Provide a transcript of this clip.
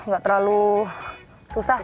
nggak terlalu susah